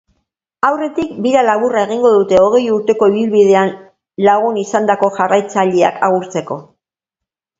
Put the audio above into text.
Aurretik, bira laburra egingo dute hogei urteko ibilbidean lagun izandako jarraitzaileak agurtzeko.